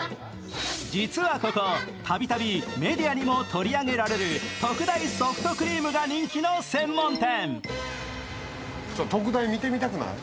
実はここ、たびたびメディアにも取り上げられる特大ソフトクリームが人気の専門店。